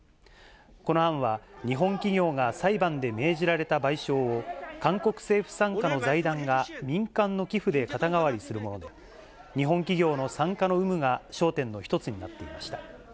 この案は、日本企業が裁判で命じられた賠償を、韓国政府傘下の財団が、民間の寄付で肩代わりするもので、日本企業の参加の有無が焦点の一つになっていました。